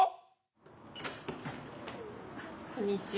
こんにちは。